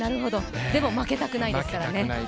でも負けたくないですからね。